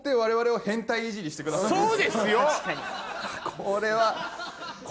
これは。